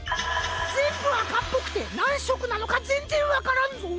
ぜんぶあかっぽくてなんしょくなのかぜんぜんわからんぞ。